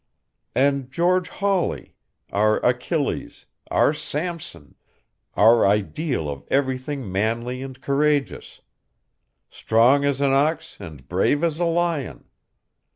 And George Hawley, our Achilles, our Samson, our ideal of everything manly and courageous! Strong as an ox and brave as a lion!